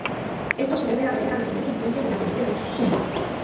Esto se debe a la importante influencia de la corriente de Humboldt.